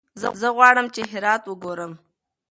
زه غواړم چې هرات وګورم.